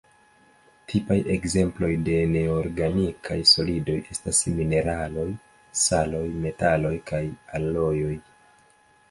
Tipaj ekzemploj de neorganikaj solidoj estas mineraloj, saloj, metaloj kaj alojoj.